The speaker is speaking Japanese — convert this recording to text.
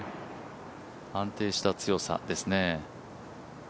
安定した強さですね。